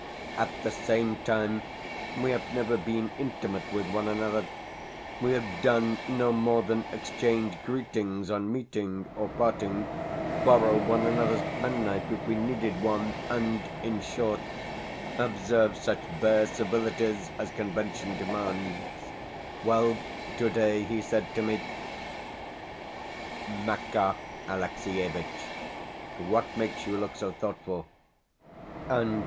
At the same time, we have never been intimate with one another. We have done no more than exchange greetings on meeting or parting, borrow one another's penknife if we needed one, and, in short, observe such bare civilities as convention demands. Well, today he said to me, "Makar Alexievitch, what makes you look so thoughtful?"